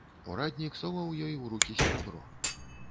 Ураднік соваў ёй у рукі серабро.